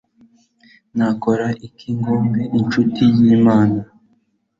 nakora iki ngo mbe incuti y imana